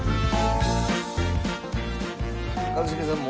一茂さん